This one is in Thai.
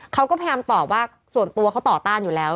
เขาก็พยายามตอบว่าส่วนตัวเขาต่อต้านอยู่แล้ว